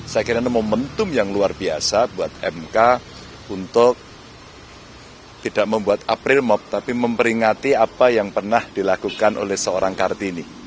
saya kira ini momentum yang luar biasa buat mk untuk tidak membuat april mop tapi memperingati apa yang pernah dilakukan oleh seorang kartini